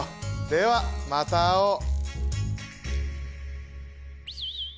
ではまた会おう！